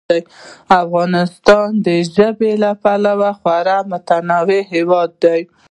افغانستان د ژبو له پلوه خورا متنوع هېواد دی.